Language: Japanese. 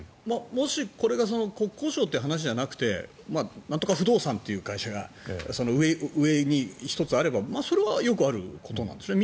もし、これが国交省という話じゃなくてなんとか不動産という会社が上に１つあればそれはよくあることなんでしょうね。